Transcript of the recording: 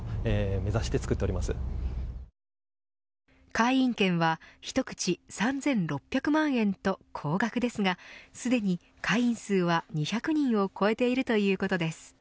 会員権は一口３６００万円と高額ですがすでに会員数は２００人を超えているということです。